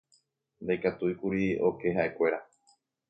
Ndaikatúikuri oke ha'ekuéra.